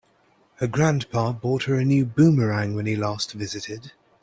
Her grandpa bought her a new boomerang when he last visited.